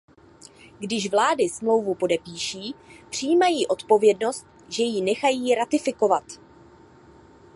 Když vlády Smlouvu podepíší, přijímají odpovědnost, že ji nechají ratifikovat.